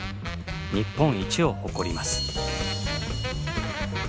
日本一を誇ります。